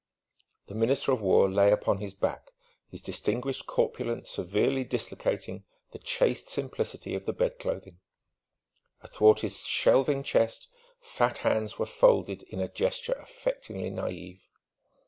The Minister of War lay upon his back, his distinguished corpulence severely dislocating the chaste simplicity of the bed clothing. Athwart his shelving chest, fat hands were folded in a gesture affectingly naïve.